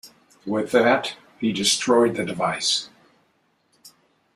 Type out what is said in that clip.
With that, he destroys the device.